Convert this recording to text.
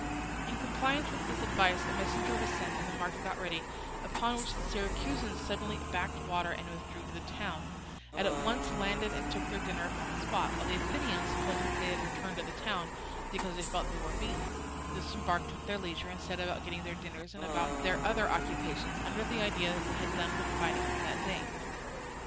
In compliance with this advice a messenger was sent and the market got ready, upon which the Syracusans suddenly backed water and withdrew to the town, and at once landed and took their dinner upon the spot; while the Athenians, supposing that they had returned to the town because they felt they were beaten, disembarked at their leisure and set about getting their dinners and about their other occupations, under the idea that they done with fighting for that day.